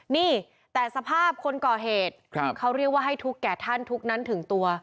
นี่แต่สภาพคนก่อเหตุเขาเรียกว่าให้ทุกข์แก่ท่านทุกข์นั้นถึงตัว